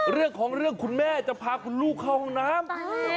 เรื่องของเรื่องคุณแม่จะพาคุณลูกเข้าห้องน้ำ